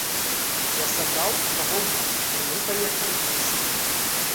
Я сабраў, каго мог, і мы паехалі на сядзібу.